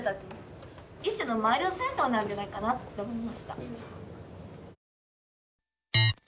一種のマイルド戦争なんじゃないかなと思いました。